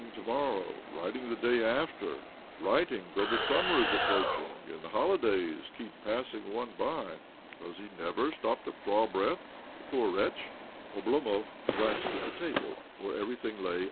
to morrow, writing the day after, writing though the summer is approaching and holi days keep passing one by ! Does he never ■ stop to draw breath, the poor wretch ?" Oblomov glanced at the table, wh^ere every thing lay!